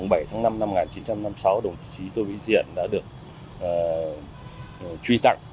ngày bảy tháng năm năm một nghìn chín trăm năm mươi sáu đồng chí tô vĩnh diện đã được truy tặng